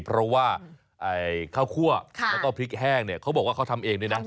เพราะว่าข้าวคั่วแล้วก็พริกแห้งเนี่ยเขาบอกว่าเขาทำเองด้วยนะ